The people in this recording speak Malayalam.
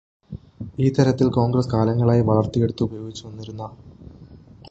ഈ തരത്തില് കോണ്ഗ്രസ്സ് കാലങ്ങളായി വളര്ത്തിയെടുത്ത് ഉപയോഗിച്ചുവന്നിരുന്ന